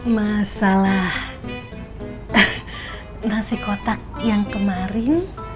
masalah nasi kotak yang kemarin